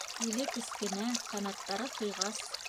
Үҙе кескенә, ҡанаттары ҡыйғас.